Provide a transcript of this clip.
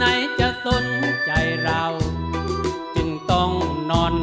ในรายการร้องได้ให้ร้านลูกทุ่งสู้ชีวิต